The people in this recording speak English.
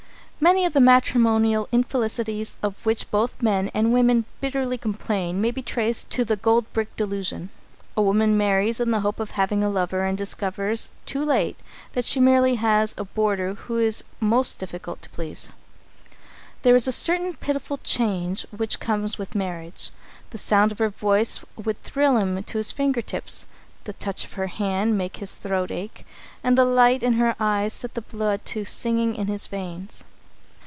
Many of the matrimonial infelicities of which both men and women bitterly complain may be traced to the gold brick delusion. A woman marries in the hope of having a lover and discovers, too late, that she merely has a boarder who is most difficult to please. [Sidenote: A Certain Pitiful Change] There is a certain pitiful change which comes with marriage. The sound of her voice would thrill him to his finger tips, the touch of her hand make his throat ache, and the light in her eyes set the blood to singing in his veins.